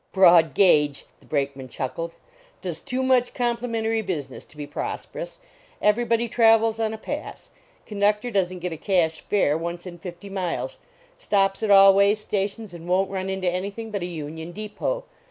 " Broad gauge," the Brakcman chuckled; 199 THE BRAKEMAN AT CHURCH 1 does too much complimentary business to be prosperous. Everybody travels on a pass. Conductor doesn t get a cash fare once in fifty miles. Stops at all way stations and won t run into anything but a union depot.